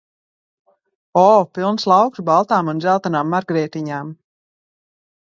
O, pilns lauks baltām un dzeltenām margrietiņām !